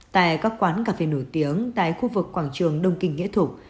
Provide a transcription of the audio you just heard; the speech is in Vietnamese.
tại các quán cà phê nổi tiếng tại khu vực quảng trường đông kinh nghĩa thục